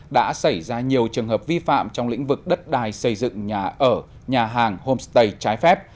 đã xảy ra nhiều trường hợp vi phạm trong lĩnh vực đất đài xây dựng nhà ở nhà hàng homestay trái phép